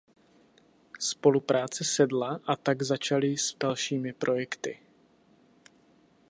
Spolupráce sedla a tak začali s dalšími projekty.